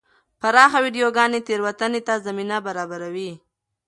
پراخه ویډیوګانې تېروتنې ته زمینه برابروي.